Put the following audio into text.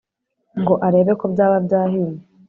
ngo arebe ko byaba byahiye,